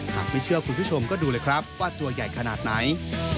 หากไม่เชื่อคุณผู้ชมก็ดูเลยครับว่าตัวใหญ่ขนาดไหน